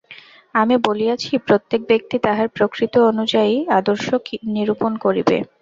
আমি বলিয়াছি, প্রত্যেক ব্যক্তি তাহার প্রকৃতি অনুযায়ী আদর্শ নিরূপণ করিবে।